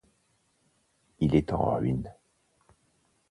Il est en ruine.